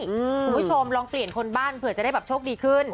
คุณผู้ชมลองเปลี่ยนคนบ้านเผื่อจะได้แบบโชคดีขึ้น